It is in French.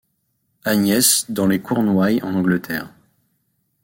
Agnes dans les Cornouailles en Angleterre.